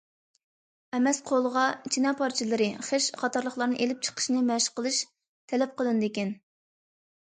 ئەمەس قولىغا چىنە پارچىلىرى، خىش قاتارلىقلارنى ئېلىپ چېقىشنى مەشىق قىلىش تەلەپ قىلىنىدىكەن.